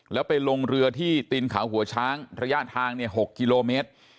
แล้วไปลงเรือที่ตีนเขาหัวช้างระยะทาง๖กิโลเมตร